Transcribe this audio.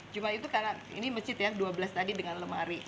cuma itu karena ini masjid ya dua belas tadi dengan lemari